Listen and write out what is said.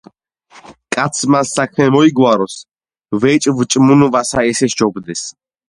კაცმან საქმე მოიგვაროს ვეჭვ ჭმუნვასა ესე სჯობდეს.